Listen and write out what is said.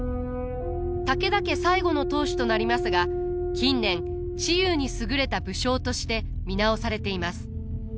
武田家最後の当主となりますが近年知勇に優れた武将として見直されています。